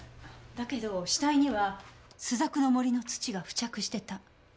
だけど死体には朱雀の森の土が付着してた。